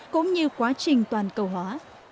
cũng như quá trình toàn cầu hóa